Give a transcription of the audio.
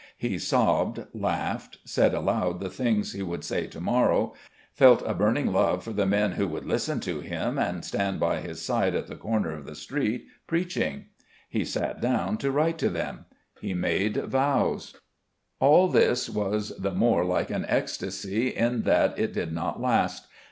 He sobbed, laughed, said aloud the things he would say to morrow, felt a burning love for the men who would listen to him and stand by his side at the corner of the street, preaching. He sat down to write to them; he made vows. All this was the more like an ecstasy in that it did not last.